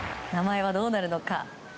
名前はどうなるのか。